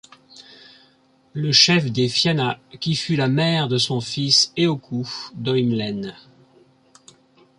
Le chef des Fianna qui fut la mère de son fils Eochu Doimlén.